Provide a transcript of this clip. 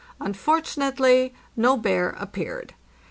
Unfortunately no bear appeared.